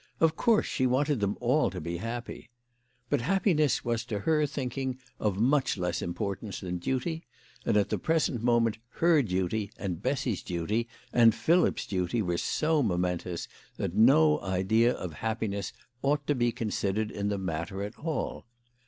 Of course, she wanted them all to be happy. But happiness was to her thinking of much less importance than duty ; and at the present moment her duty and Bessy's duty and Philip's duty were so momentous that no idea of happiness ought to be considered in the matter at all.